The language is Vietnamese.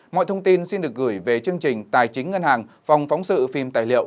mọi thông tin xin được gửi về chương trình tài chính ngân hàng phòng phóng sự phim tài liệu